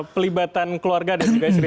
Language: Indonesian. pelibatan keluarga dan juga cerita